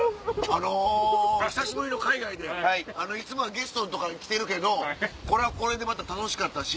あの久しぶりの海外でいつもはゲストとか来てるけどこれはこれでまた楽しかったし。